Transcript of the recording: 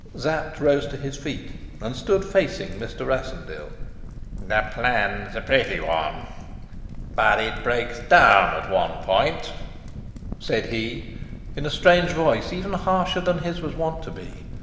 Sapt rose to his feet and stood facing Mr. Rassendyll. "The plan's a pretty one, but it breaks down at one point," said he in a strange voice, even harsher than his was wont to be.